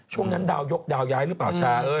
ช่วงนั้นดาวยกดาวย้ายหรือเปล่าช้า